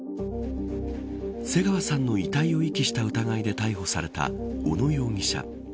瀬川さんの遺体を遺棄した疑いで逮捕された小野容疑者。